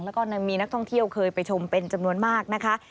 แล้วก็มีนักท่องเที่ยวเคยไปชมเป็นจำนวนมากนะคะ